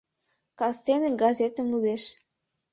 Кастене газетым лудеш.